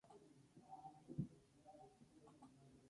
Se encuentra dentro del Distrito Los Remedios.